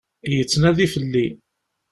Yettnadi fell-i.